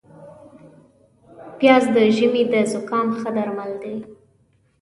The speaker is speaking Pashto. پیاز د ژمي د زکام ښه درمل دي